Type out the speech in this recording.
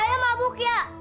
ayah mabuk ya